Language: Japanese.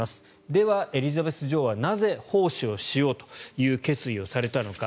では、エリザベス女王はなぜ、奉仕をしようという決意をされたのか。